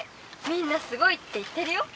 みんなすごいって言ってるよ」。